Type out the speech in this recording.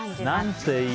なんていい。